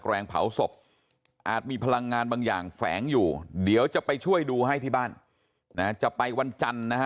ก็แรงแสดงว่าที่ตรงนี้แรงไม่มีใครอยู่ได้หรอก